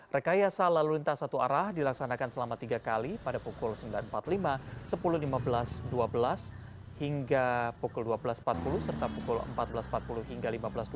rekayasa lalu lintas satu arah dilaksanakan selama tiga kali pada pukul sembilan empat puluh lima sepuluh lima belas dua belas hingga pukul dua belas empat puluh serta pukul empat belas empat puluh hingga lima belas dua puluh